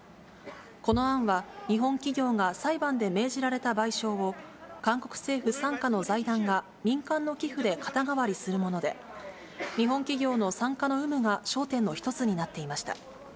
この案は、日本企業が裁判で命じられた賠償を、韓国政府傘下の財団が民間の寄付で肩代わりするもので、日本企業の参加の有無が焦点の一つになっていました。